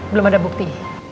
belum ada bukti